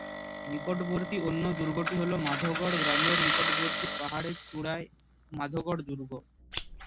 নিকটবর্তী অন্য দুর্গটি হল, মাধোগড় গ্রামের নিকটবর্তী পাহাড়ের চূড়ায়, মাধোগড় দুর্গ।